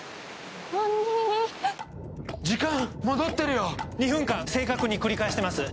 時間戻ってるよ、２分間正確に繰り返しています。